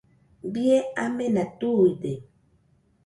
Bie amena tuide